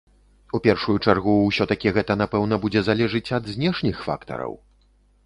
У першую чаргу ўсё-такі гэта, напэўна, будзе залежыць ад знешніх фактараў.